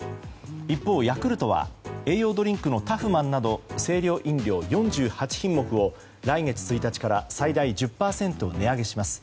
一方、ヤクルトは栄養ドリンクのタフマンなど清涼飲料４８品目を来月１日から最大１０％値上げします。